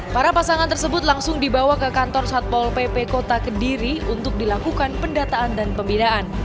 para pasangan tersebut langsung dibawa ke kantor satpol pp kota kediri untuk dilakukan pendataan dan pembinaan